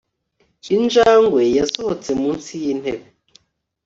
injangwe yasohotse munsi yintebe